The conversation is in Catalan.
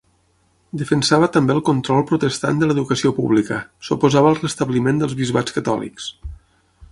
Defensava també el control protestant de l'educació pública, s'oposava al restabliment dels bisbats catòlics.